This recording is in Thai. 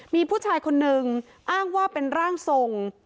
มีผู้ชายคนนึงอ้างว่าเป็นร่างทรง